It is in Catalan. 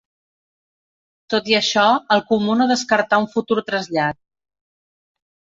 Tot i això, el comú no descartà un futur trasllat.